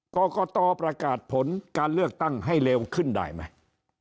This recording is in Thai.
กรกตประกาศผลการเลือกตั้งให้เร็วขึ้นได้ไหม